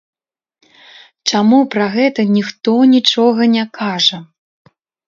Чаму пра гэта ніхто нічога не кажа?